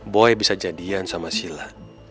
boy bisa jadian sama sila